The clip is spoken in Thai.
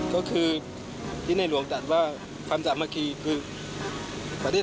เหมือนอีกคนหนึ่งไม่มีความสามัคคี